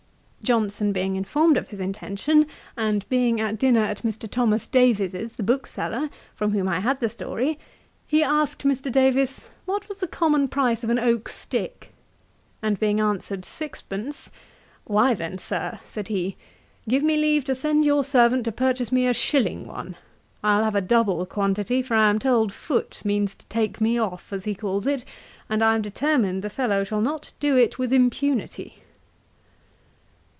Johnson being informed of his intention, and being at dinner at Mr. Thomas Davies's the bookseller, from whom I had the story, he asked Mr. Davies 'what was the common price of an oak stick;' and being answered six pence, 'Why then, Sir, (said he,) give me leave to send your servant to purchase me a shilling one. I'll have a double quantity; for I am told Foote means to take me off, as he calls it, and I am determined the fellow shall not do it with impunity.'